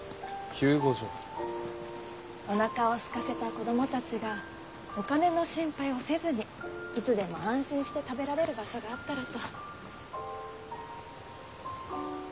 おなかをすかせた子供たちがお金の心配をせずにいつでも安心して食べられる場所があったらと。